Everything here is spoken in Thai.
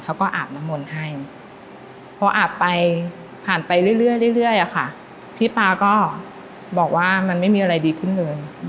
อาบน้ำมนต์ให้พออาบไปผ่านไปเรื่อยอะค่ะพี่ป๊าก็บอกว่ามันไม่มีอะไรดีขึ้นเลย